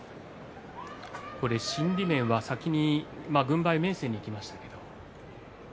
心理面は先に軍配は明生にいきましたけど。